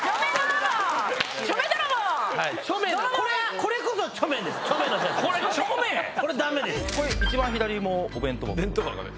これチョメ⁉一番左もお弁当箱。